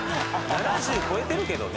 ７０超えてるけどね。